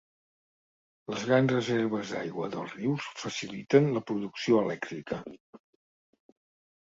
Les grans reserves d'aigua dels rius faciliten la producció elèctrica.